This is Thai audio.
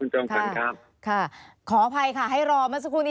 สวัสดีครับคุณจอมขวัญครับ